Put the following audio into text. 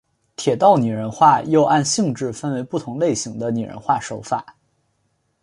铁道拟人化又按性质分为不同类型的拟人化手法。